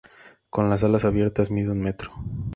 Con las alas abiertas mide un metro.